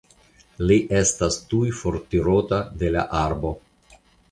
Li estas tuj fortirota de la arbo.